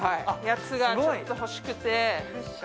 やつがちょっと欲しくて。